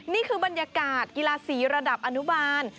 นี่คือบรรยากาศกีฬาสีระดับอนุบาล